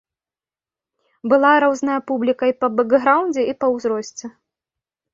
Была розная публіка, і па бэкграўндзе, і па ўзросце.